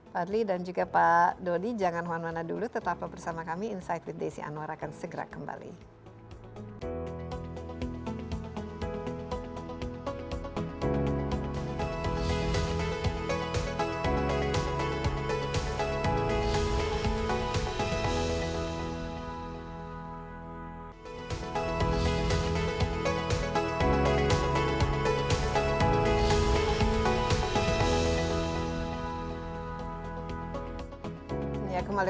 pak adli dan juga pak dodi jangan huan huana dulu tetap bersama kami insight with desi anwar akan segera kembali